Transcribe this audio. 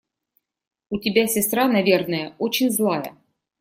У тебя сестра, наверное, очень злая?